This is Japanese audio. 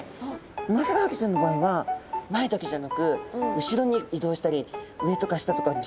ウマヅラハギちゃんの場合は前だけじゃなく後ろに移動したり上とか下とか自在な泳ぎができるんですね。